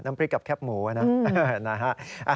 น้ำพริกกับแคปหมูน่ะ